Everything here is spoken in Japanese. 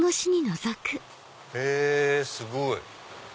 へぇすごい！